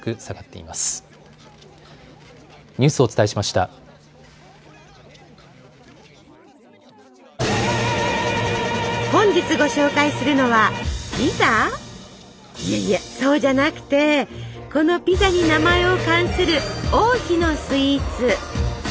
いえいえそうじゃなくてこのピザに名前を冠する王妃のスイーツ。